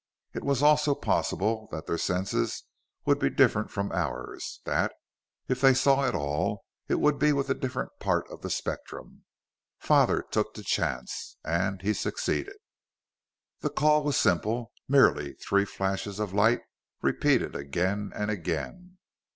It was also possible that their senses would be different from ours that, if they saw at all, it would be with a different part of the spectrum. Father took the chance. And he succeeded. "The call was simple: merely three flashes of light, repeated again and again.